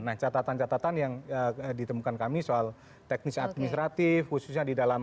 nah catatan catatan yang ditemukan kami soal teknis administratif khususnya di dalam